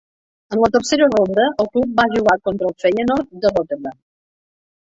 En la tercera ronda, el club va jugar contra Feyenoord, de Rotterdam.